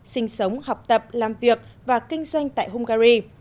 sinh sống học tập làm việc và kinh doanh tại hungary